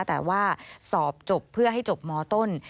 แต่ว่าสอบจบเพื่อให้จบมต้น